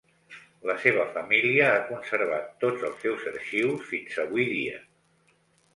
La seva família ha conservat tots els seus arxius fins avui dia.